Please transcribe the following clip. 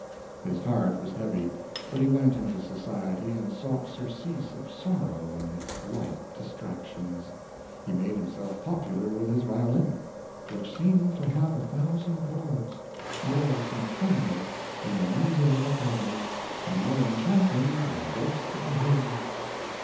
His heart was heavy, but he went into society, and sought surcease of sorrow in its light distractions. He made himself popular with his violin, "which seemed to have a thousand chords more symphonious than the Muses of Apollo, and more enchanting than the ghost of the Hills."